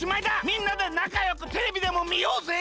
みんなでなかよくテレビでもみようぜ。